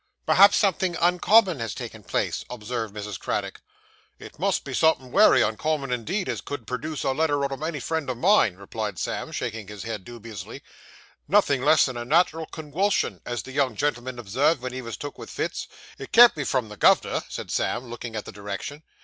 'Perhaps something uncommon has taken place,' observed Mrs. Craddock. 'It must be somethin' wery uncommon indeed, as could perduce a letter out o' any friend o' mine,' replied Sam, shaking his head dubiously; 'nothin' less than a nat'ral conwulsion, as the young gen'l'm'n observed ven he wos took with fits. It can't be from the gov'ner,' said Sam, looking at the direction.